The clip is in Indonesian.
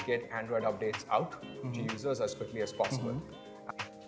dapat mengambil update android ke penggunaan android secepat mungkin